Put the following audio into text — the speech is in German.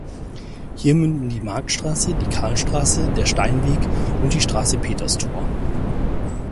Hier münden die "Marktstraße", die "Karlstraße", der "Steinweg" und die Straße "Peterstor".